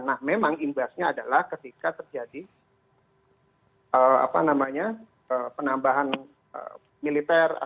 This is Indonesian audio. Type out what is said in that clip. nah memang imbasnya adalah ketika terjadi penambahan militer